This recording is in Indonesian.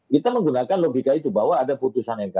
kita menggunakan logika itu bahwa ada putusan mk